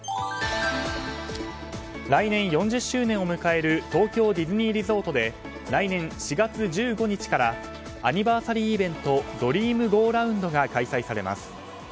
来年４０周年を迎える東京ディズニーリゾートで来年からアニバーサリーイベント「ドリームゴーラウンド」が開催されます。